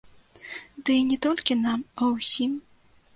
Ды і не толькі нам, а ўсім.